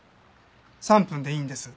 ３分でいいんです。